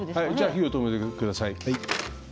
火を止めてください。